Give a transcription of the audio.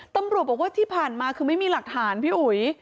ตำรวจบอกว่าที่ผ่านมาคือไม่มีหลักฐานพี่อุ๋ย